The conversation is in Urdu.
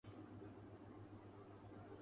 صحافت اب تو مزدوری بن کے رہ گئی ہے۔